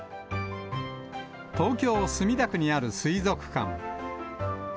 東京・墨田区にある水族館。